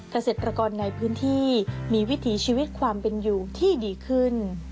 เกษตรกรในพื้นที่มีวิถีชีวิตความเป็นอยู่ที่ดีขึ้น